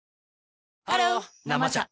ハロー「生茶」